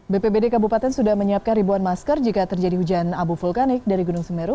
bpbd kabupaten sudah menyiapkan ribuan masker jika terjadi hujan abu vulkanik dari gunung semeru